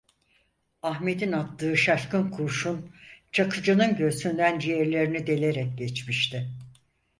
Ahmet'in attığı şaşkın kurşun, Çakıcı'nın göğsünden ciğerlerini delerek geçmişti.